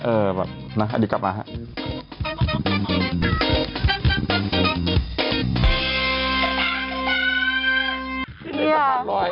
เออแบบอะดีกลับมาฮะ